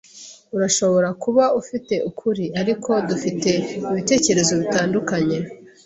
Urashobora kuba ufite ukuri, ariko dufite ibitekerezo bitandukanye.